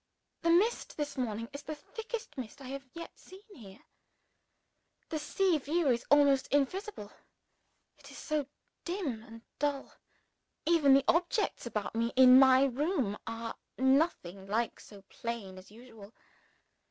The mist this morning is the thickest mist I have yet seen here. The sea view is almost invisible, it is so dim and dull. Even the objects about me in my room are nothing like so plain as usual.